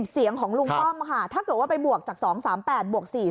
เสียงของลุงป้อมค่ะถ้าเกิดว่าไปบวกจาก๒๓๘บวก๔๐